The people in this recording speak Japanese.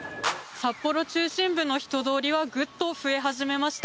札幌市中心部の人通りはグッと増え始めました。